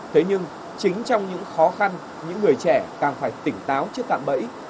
thế nhưng chính trong những khó khăn những người trẻ càng phải tỉnh táo trước cạm bẫy